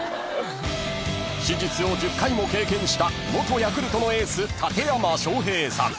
［手術を１０回も経験した元ヤクルトのエース館山昌平さん］